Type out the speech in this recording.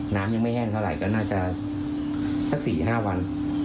น้ำยังไม่แห้งเท่าไหร่ก็น่าจะสัก๔๕วัน